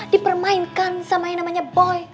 dipermainkan sama yang namanya boy